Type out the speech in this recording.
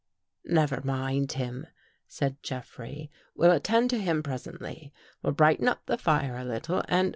" Never mind him," said Jeffrey. " We'll attend to him presently. We'll brighten up the fire a little and